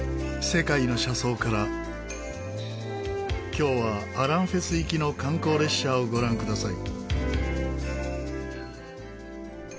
今日はアランフェス行きの観光列車をご覧ください。